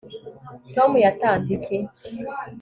tom yatanze iki